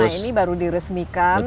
nah ini baru diresmikan